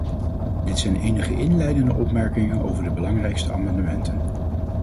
Dit zijn enige inleidende opmerkingen over de belangrijkste amendementen.